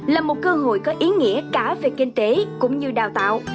là một cơ hội có ý nghĩa cả về kinh tế cũng như đào tạo